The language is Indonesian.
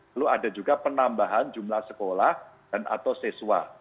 lalu ada juga penambahan jumlah sekolah dan atau siswa